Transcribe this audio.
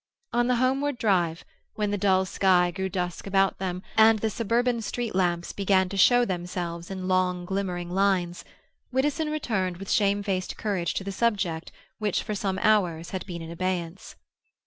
On the homeward drive, when the dull sky grew dusk about them, and the suburban street lamps began to show themselves in long glimmering lines, Widdowson returned with shamefaced courage to the subject which for some hours had been in abeyance.